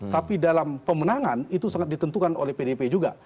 tapi dalam pemenangan itu sangat ditentukan oleh pdip juga